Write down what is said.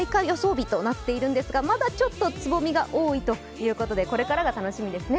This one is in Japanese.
日となっているんですが、まだ、ちょっとつぼみが多いということでこれからが楽しみですね。